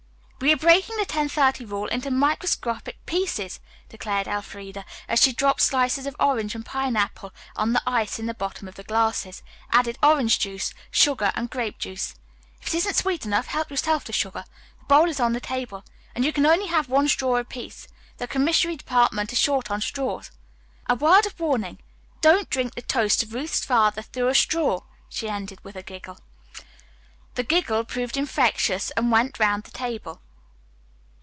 "We are breaking the ten thirty rule into microscopic pieces," declared Elfreda as she dropped slices of orange and pineapple on the ice in the bottom of the glasses, added orange juice, sugar and grape juice. "If it isn't sweet enough, help yourself to sugar. The bowl is on the table. And you can only have one straw apiece. The commissary department is short on straws. A word of warning, don't drink the toast to Ruth's father through a straw," she ended with a giggle. The giggle proved infectious and went the round of the table.